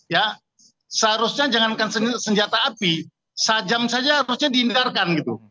ya seharusnya jangankan senjata api sajam saja harusnya dihindarkan gitu